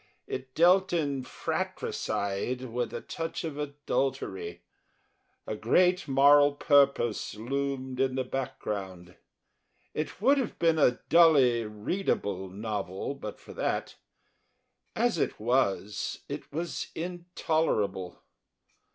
It dealt in fratricide with a touch of adultery; a Great Moral Purpose loomed in the background. It would have been a dully readable novel but for that; as it was, it was intolerable.